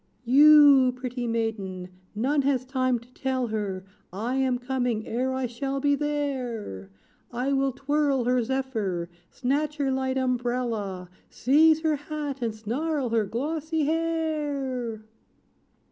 "You, pretty maiden none has time to tell her I am coming, ere I shall be there. I will twirl her zephyr snatch her light umbrella, Seize her hat, and snarl her glossy hair!"